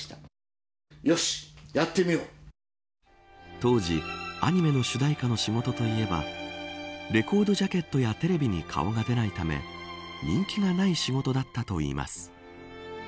当時アニメの主題歌の仕事といえばレコードジャケットやテレビに顔が出ないため人気がない仕事だったといいます。